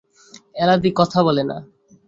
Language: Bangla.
এলাদি কথা বলে না!